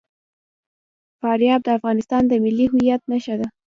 فاریاب د افغانستان د ملي هویت نښه ده.